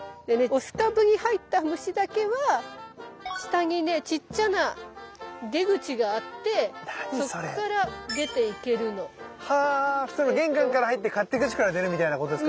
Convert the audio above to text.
雄株に入った虫だけは下にねちっちゃな出口があってそっから出て行けるの。は玄関から入って勝手口から出るみたいなことですかね。